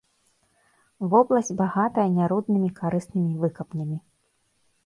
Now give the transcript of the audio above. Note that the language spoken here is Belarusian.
Вобласць багатая няруднымі карыснымі выкапнямі.